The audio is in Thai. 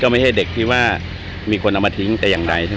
ไม่ที่เด็กมีคนเอามาทิ้งแล้ว